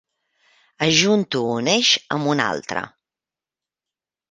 Ajunto un eix amb un altre.